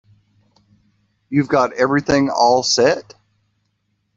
You've got everything all set?